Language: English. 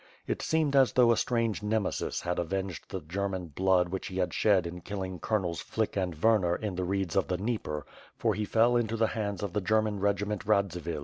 It seemed as though a strange Nemesis had avenged the German blood which he had shed in killing colonels Flick and Werner in the reeds of the Dnieper, for he fell into the hands of the German regiment Radzivil.